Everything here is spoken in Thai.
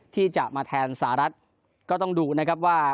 ที่จะมาแทนสหรัฐก็ต้องดูนะครับว่า